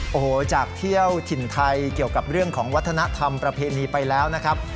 โอ้โหจากเที่ยวถิ่นไทยเกี่ยวกับเรื่องของวัฒนธรรมประเพณีไปแล้วนะครับ